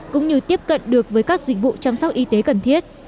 cũng như tiếp cận được với các dịch vụ chăm sóc y tế cần thiết